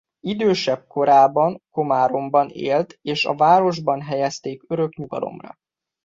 Idősebb korában Komáromban élt és a városban helyezték örök nyugalomra.